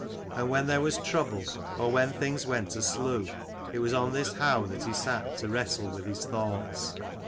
And when there was trouble or when things went aslew, it was on this howe that he sat to wrestle with his thoughts.